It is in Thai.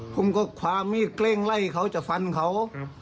ผมก็ความมีดเกล้งไล่เขาจะฟันเขา